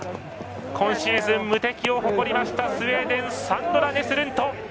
今シーズン、無敵を誇りましたスウェーデンサンドラ・ネスルント。